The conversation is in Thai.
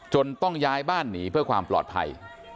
ต้องย้ายบ้านหนีเพื่อความปลอดภัย